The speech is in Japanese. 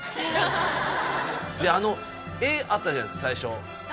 絵あったじゃないですか最初。